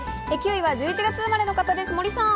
９位は１１月生まれの方です、森さん。